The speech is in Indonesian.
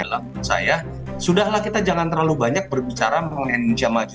menurut saya sudahlah kita jangan terlalu banyak berbicara mengenai indonesia maju